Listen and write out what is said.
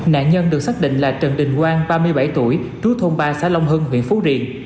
nạn nhân được xác định là trần đình quang ba mươi bảy tuổi trú thôn ba xã long hưng huyện phú riềng